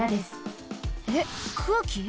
えっくうき？